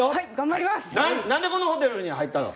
何でこのホテルに入ったの？